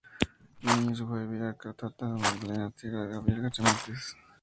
Muy niño se fue a vivir a Aracataca, Magdalena, tierra de Gabriel García Márquez.